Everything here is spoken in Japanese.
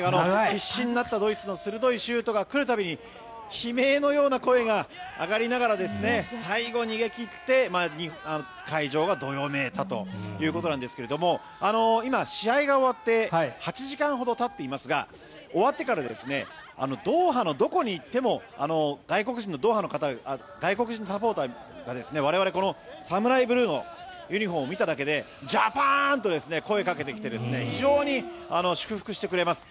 必死になったドイツの鋭いシュートが来る度に悲鳴のような声が上がりながら最後、逃げ切って会場がどよめいたということなんですが今、試合が終わって８時間ほどたっていますが終わってからドーハのどこに行っても外国人サポーターが我々ＳＡＭＵＲＡＩＢＬＵＥのユニホームを見ただけでジャパン！と声をかけてきて非常に祝福してくれます。